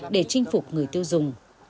để chinh phục người tiêu dùng